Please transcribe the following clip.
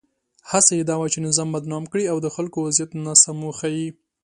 هڅه یې دا وه چې نظام بدنام کړي او د خلکو وضعیت ناسم وښيي.